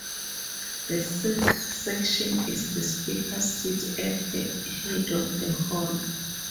The sixth section is the Speaker's seat at the head of the hall.